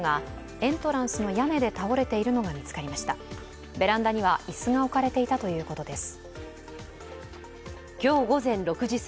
ベランダには椅子が置かれていたということです。